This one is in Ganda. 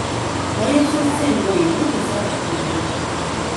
Wayozezza engoye naye tezaatukudde.